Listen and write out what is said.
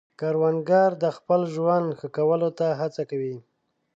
کروندګر د خپل ژوند ښه کولو ته هڅه کوي